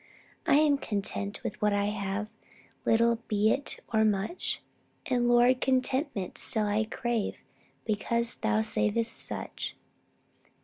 I am content with what I have, Little be it or much: And, Lord, contentment still I crave, Because thou savest such.